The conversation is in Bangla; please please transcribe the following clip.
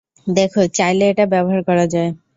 দেখো, চাইলে এটা ব্যবহার করা যায়!